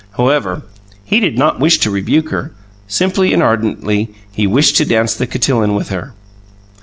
However, he did not wish to rebuke her; simply and ardently he wished to dance the cotillon with her.